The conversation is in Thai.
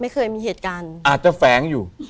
ไม่เคยมีเหตุการณ์